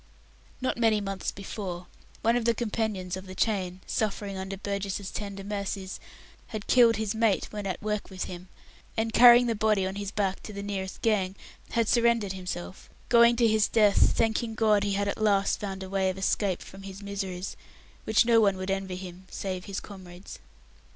Not many months before, one of the companions of the chain, suffering under Burgess's tender mercies, had killed his mate when at work with him, and, carrying the body on his back to the nearest gang, had surrendered himself going to his death thanking God he had at last found a way of escape from his miseries, which no one would envy him save his comrades.